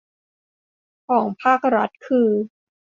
ของภาครัฐคือ